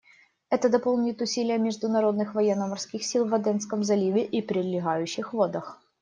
Это дополнит усилия международных военно-морских сил в Аденском заливе и прилегающих водах.